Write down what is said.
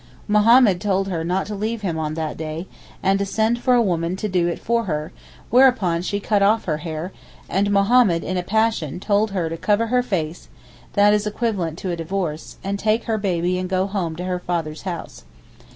Mohammed told her not to leave him on that day, and to send for a woman to do it for her; whereupon she cut off her hair, and Mohammed, in a passion, told her to 'cover her face' (that is equivalent to a divorce) and take her baby and go home to her father's house.